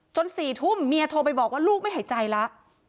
๔ทุ่มเมียโทรไปบอกว่าลูกไม่หายใจแล้ว